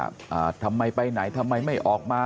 ลูกสาวหลายครั้งแล้วว่าไม่ได้คุยกับแจ๊บเลยลองฟังนะคะ